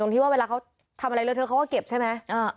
ที่ว่าเวลาเขาทำอะไรเลอเทอร์เขาก็เก็บใช่ไหม